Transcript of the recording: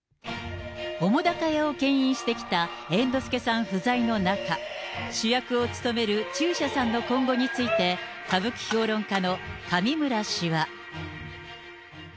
澤瀉屋をけん引してきた猿之助さん不在の中、主役を勤める中車さんの今後について、歌舞伎評論家の上村氏は。